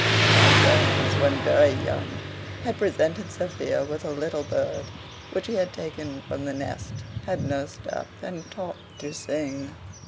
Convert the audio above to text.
Tom Jones, when very young, had presented Sophia with a little bird, which he had taken from the nest, had nursed up, and taught to sing.